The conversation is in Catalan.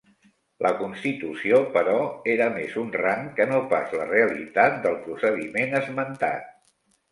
La constitució, però, era més un rang que no pas la realitat del procediment esmentat.